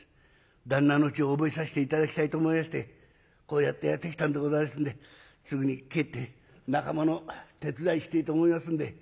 旦那のうちを覚えさせて頂きたいと思いましてこうやってやって来たんでございますんですぐに帰って仲間の手伝いしてえと思いますんで」。